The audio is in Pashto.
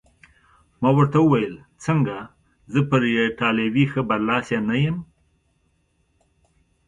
ما ورته وویل: څنګه، زه پر ایټالوي ښه برلاسی نه یم؟